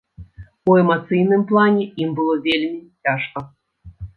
У эмацыйным плане ім было вельмі цяжка.